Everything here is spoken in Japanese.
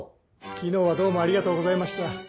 昨日はどうもありがとうございました。